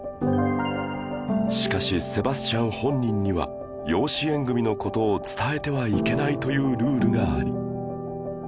しかしセバスチャン本人には養子縁組の事を伝えてはいけないというルールがあり